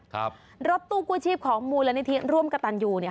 ครับรถตู้กู้ชีพของมูลนิธิร่วมกระตันยูเนี่ย